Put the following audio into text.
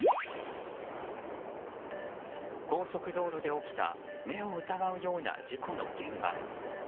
高速道路で起きた目を疑うような事故の現場。